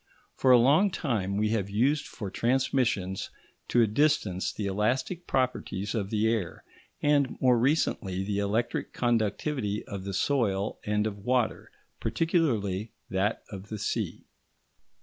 For a long time we have used for transmissions to a distance the elastic properties of the air, and more recently the electric conductivity of the soil and of water, particularly that of the sea.